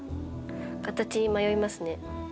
形に迷いますね。